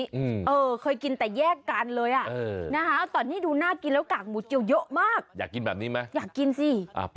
เฮ้อเหรอสักทีนี้ฉันไปไดม่าเนี่ย